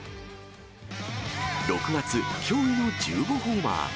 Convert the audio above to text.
６月、驚異の１５ホーマー。